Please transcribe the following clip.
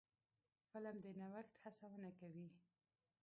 فلم د نوښت هڅونه کوي